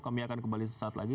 kami akan kembali sesaat lagi